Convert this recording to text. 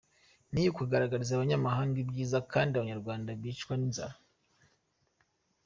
ni ukugaragariza abanyamahanga ibyiza kandi abanyarwanda bicwa n’inzara.